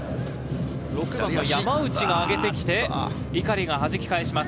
６番の山内が上げてきて、碇がはじき返します。